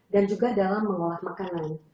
dan juga dalam mengolah makanan